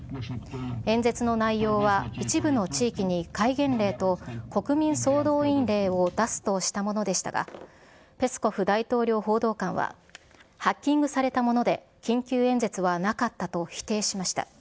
演説の内容は一部の地域に戒厳令と国民総動員令を出すとしたものでしたが、ペスコフ大統領報道官はハッキングされたもので、緊急演説はなかったと否定しました。